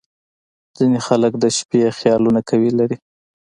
• ځینې خلک د شپې خیالونه قوي لري.